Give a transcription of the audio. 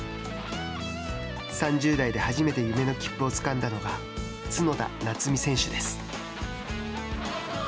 ３０代で初めて夢の切符をつかんだのは角田夏実選手です。